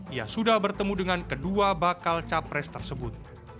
ia sudah bertemu dengan kedua bakal capres tersebut